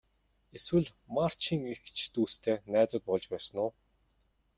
Эсвэл Марчийн эгч дүүстэй найзууд болж байсан уу?